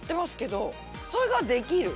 それができる？